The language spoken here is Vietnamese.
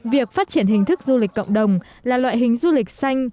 việc phát triển hình thức du lịch cộng đồng là loại hình du lịch xanh